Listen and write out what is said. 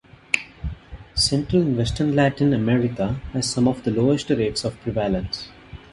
Central and Western Latin America has some of the lowest rates of prevalence.